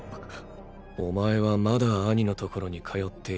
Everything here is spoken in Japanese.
お前はまだアニのところに通っているだろ？